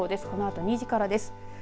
このあと２時からです。